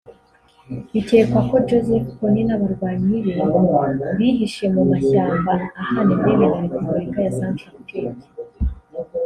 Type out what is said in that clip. Bikekwa ko Joseph Kony n’abarwanyi be bihishe mu mashyamba ahana imbibi na Repubulika ya Centrafrique